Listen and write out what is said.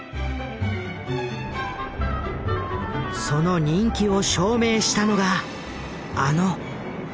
その人気を証明したのがあの「アポロ計画」。